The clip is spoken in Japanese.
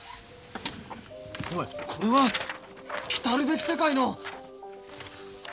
おいこれは「来るべき世界」の。